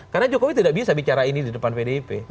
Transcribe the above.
karena jokowi tidak bisa bicara ini di depan pdip